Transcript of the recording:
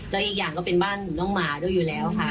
และอีกอย่างด้านบ้านหนังหมาด้วยอยู่แล้วค่ะ